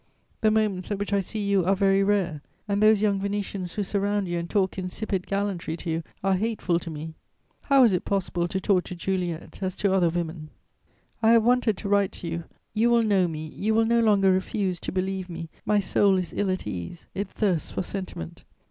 The moments at which I see you are very rare, and those young Venetians who surround you and talk insipid gallantry to you are hateful to me. How is it possible to talk to Juliet as to other women! "I have wanted to write to you; you will know me, you will no longer refuse to believe me; my soul is ill at ease; it thirsts for sentiment.